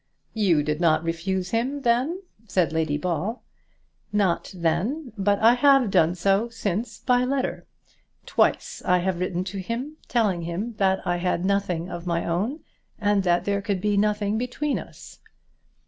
"You did not refuse him, then?" said Lady Ball. "Not then, but I have done so since by letter. Twice I have written to him, telling him that I had nothing of my own, and that there could be nothing between us."